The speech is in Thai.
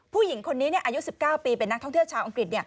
ผู้หญิงคนนี้อายุ๑๙ปีเป็นนักท่องเที่ยวชาวอังกฤษ